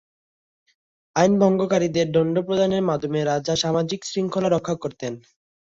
আইনভঙ্গকারীদের দন্ড প্রদানের মাধ্যমে রাজা সামাজিক শৃঙ্খলা রক্ষা করতেন।